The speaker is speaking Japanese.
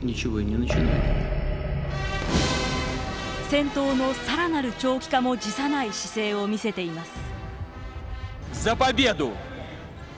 戦闘のさらなる長期化も辞さない姿勢を見せています。